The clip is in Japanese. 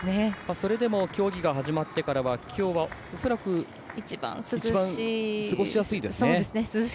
それでも競技が始まってからは、きょうは恐らく、一番過ごしやすいですね。